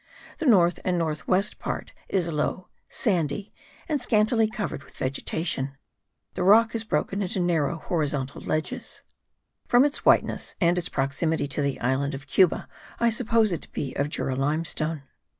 The north and north west part is low, sandy, and scantily covered with vegetation. The rock is broken into narrow horizontal ledges. From its whiteness and its proximity to the island of Cuba, I supposed it to be of Jura limestone.